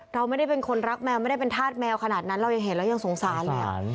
เราไม่ได้เป็นคนรักแมวไม่ได้เป็นธาตุแมวขนาดนั้นเรายังเห็นแล้วยังสงสารเลย